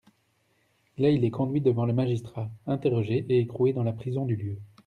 Là il est conduit devant le magistrat, interrogé, et écroué dans la prison du lieu.